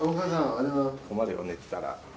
困るよ寝てたら。